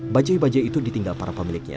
bajai bajai itu ditinggal para pemiliknya